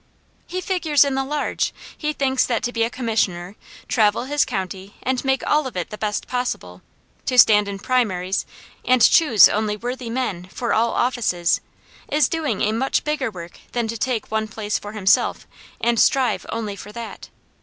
"He figures in the large. He thinks that to be a commissioner, travel his county and make all of it the best possible, to stand in primaries and choose only worthy men for all offices, is doing a much bigger work than to take one place for himself, and strive only for that.